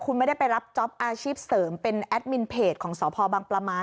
คุณไม่ได้ไปรับจ๊อปอาชีพเสริมเป็นแอดมินเพจของสพบังปลาไม้